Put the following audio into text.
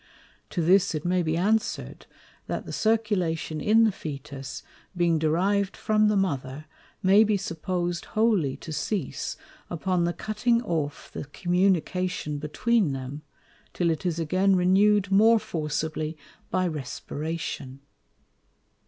To this it may be answer'd, that the Circulation in the Fœtus, being deriv'd from the Mother, may be suppos'd wholly to cease upon the cutting off the Communication between them, till it is again renew'd more forcibly by Respiration.